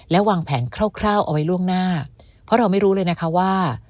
และวางแผนคร่าวเอาไว้ล่วงหน้าเพราะเราไม่รู้เลยนะคะว่า